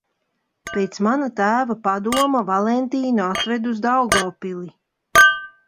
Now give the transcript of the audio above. Pēc mana tēva padoma Valentīnu atvedu uz Daugavpili.